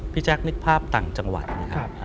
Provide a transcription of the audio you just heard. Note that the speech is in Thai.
แจ๊คนึกภาพต่างจังหวัดนะครับ